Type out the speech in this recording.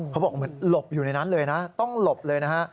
เขาบอกเหมือนหลบอยู่ในนั้นเลยนะต้องหลบเลยนะฮะ